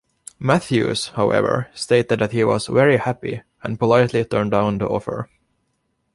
Matthews, however, stated that he was "very happy" and politely turned down the offer.